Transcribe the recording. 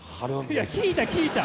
いや聞いた聞いた！